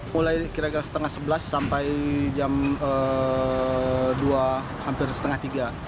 mulai kira kira setengah sebelas sampai jam dua hampir setengah tiga